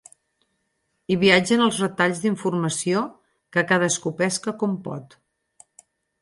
Hi viatgen els retalls d'informació que cadascú pesca com pot.